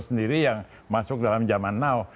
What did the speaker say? sendiri yang masuk dalam zaman now